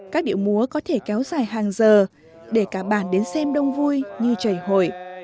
các điệu múa có thể kéo dài hàng giờ để cả bạn đến xem đông vui như trời hội